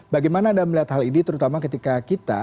bagaimana anda melihat hal ini terutama ketika kita